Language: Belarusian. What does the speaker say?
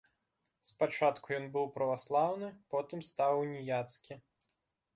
Спачатку ён быў праваслаўны, потым стаў уніяцкі.